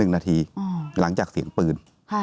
๑นาทีหลังจากเสียงปืน